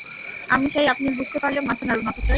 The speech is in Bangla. আমি চাই, আপনি বুঝতে পারলে মাথা নাড়ুন, অফিসার।